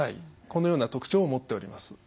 このような特徴を持っております。